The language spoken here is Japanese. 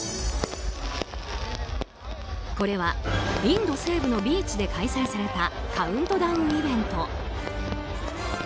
これはインド西部のビーチで開催されたカウントダウンイベント。